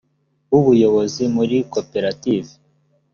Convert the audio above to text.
w ubuyobozi muri koperative